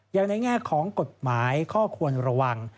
อย่างในแง่ของกฎหมายเข้าควรระวัง